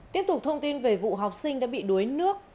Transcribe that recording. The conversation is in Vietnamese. tiếp tục thông tin về vụ học sinh đã bị đuối nước